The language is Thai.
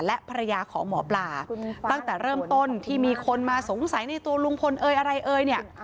และภรรยาของหมอปลาตั้งแต่เริ่มต้นที่มีคนมาสงสัยในตัวลุงพลเอยอะไรเอ่ยเนี่ย